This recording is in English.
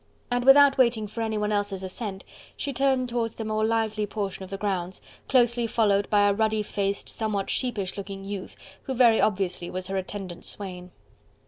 And without waiting for anyone else's assent, she turned towards the more lively portion of the grounds, closely followed by a ruddy faced, somewhat sheepish looking youth, who very obviously was her attendant swain.